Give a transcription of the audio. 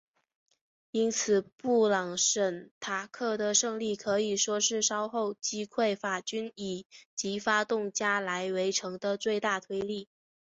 因此布朗什塔克的胜利可以说是稍后击溃法军以及发动加莱围城的最大推力。